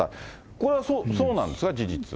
これはそうなんですか、事実。